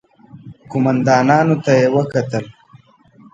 قوماندانانو ته يې وکتل.